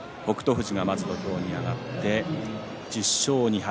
富士がまず土俵に上がって１０勝２敗。